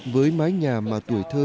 với mái nhà mà tuổi thơ